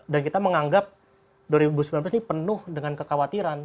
dan kita menganggap dua ribu sembilan belas ini penuh dengan kekhawatiran